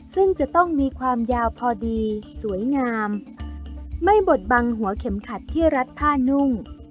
ซึ่งจะต้องมีความยาวพอดีสวยงามไม่บดบังหัวเข็มขัดที่รัดผ้านุ่ง